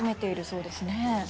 そうですね。